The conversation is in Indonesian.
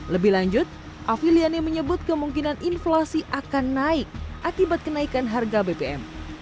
lebih lanjut afiliani menyebut kemungkinan inflasi akan naik akibat kenaikan harga bbm